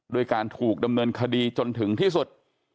ด้วยการถูกดำเนินคดีจนถึงที่สุด